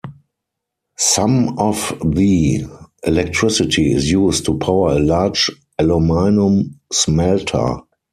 Some of the electricity is used to power a large aluminum smelter.